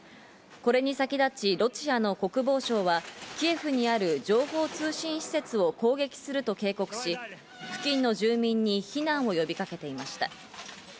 これに先立ちロシアの国防省はキエフにある情報・通信施設を攻撃すると警告し、付近の住民に避難を呼びかけていました。